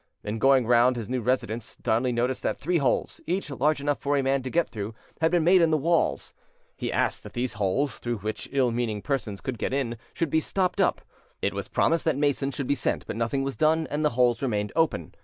In going round his new residence, Darnley noticed that three holes, each large enough for a man to get through, had been made in the walls; he asked that these holes, through which ill meaning persons could get in, should be stopped up: it was promised that masons should be sent; but nothing was done, and the holes remained open.